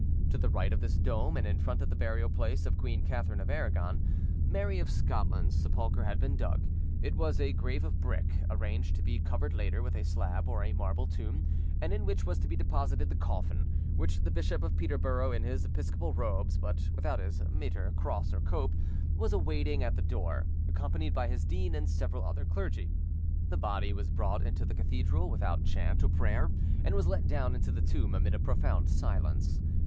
To the right of this dome, and in front of the burial place of Queen Catharine of Aragon, Mary of Scotland's sepulchre had been dug: it was a grave of brick, arranged to be covered later with a slab or a marble tomb, and in which was to be deposited the coffin, which the Bishop of Peterborough, in his episcopal robes, but without his mitre, cross, or cope, was awaiting at the door, accompanied by his dean and several other clergy. The body was brought into the cathedral, without chant or prayer, and was let down into the tomb amid a profound silence.